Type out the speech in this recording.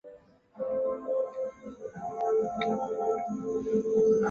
戈耳狄俄斯原本是农夫出身。